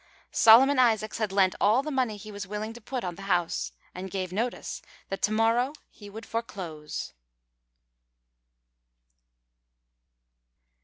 Solomon Isaacs had lent all the money he was willing to put on the house, and gave notice that to morrow he would foreclose.